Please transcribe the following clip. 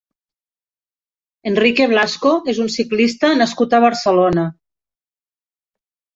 Enrique Blasco és un ciclista nascut a Barcelona.